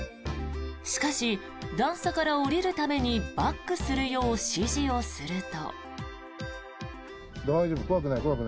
しかし段差から降りるためにバックするよう指示をすると。